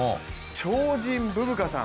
鳥人ブブカさん